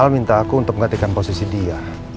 minta aku untuk menggantikan posisi dia